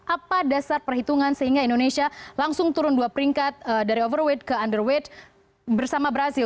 apa dasar perhitungan sehingga indonesia langsung turun dua peringkat dari overweight ke underweight bersama brazil